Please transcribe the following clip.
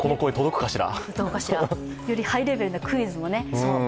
よりハイレベルなクイズもね。